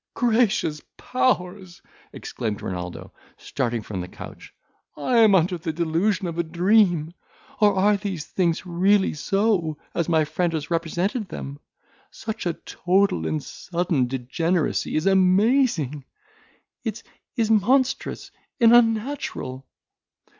"Gracious powers!" exclaimed Renaldo, starting from the couch, "am I under the delusion of a dream; or are these things really so, as my friend has represented them? Such a total and sudden degeneracy is amazing! is monstrous and unnatural!"